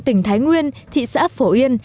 tỉnh thái nguyên thị xã phổ yên